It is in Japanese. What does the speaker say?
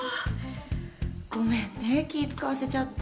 ごめんね気遣わせちゃって。